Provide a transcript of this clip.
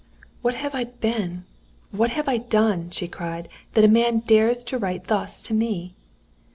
"What have I been what have I done," she cried, "that a man dares to write thus to me?"